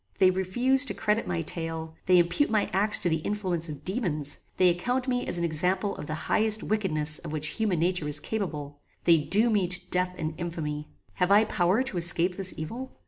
"They refuse to credit my tale; they impute my acts to the influence of daemons; they account me an example of the highest wickedness of which human nature is capable; they doom me to death and infamy. Have I power to escape this evil?